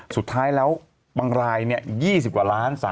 สุดท้ายแล้วบางราย๒๐กว่าล้าน